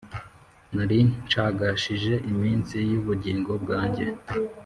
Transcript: «Nari ncagashije iminsi y’ubugingo bwanjye,